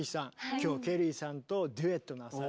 今日ケリーさんとデュエットなさる。